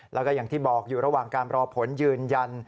แล้วก็อย่างที่บอกอยู่ระหว่างการรอผลยืนยัน